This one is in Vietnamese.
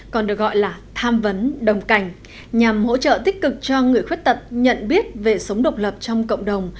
còn được gọi là tham vấn đồng cảnh nhằm hỗ trợ tích cực cho người khuyết tật nhận biết về sống độc lập trong cộng đồng